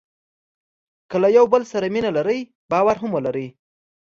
که له یو بل سره مینه لرئ باور هم ولرئ.